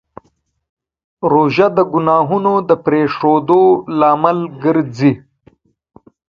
روژه د ګناهونو د پرېښودو لامل ګرځي.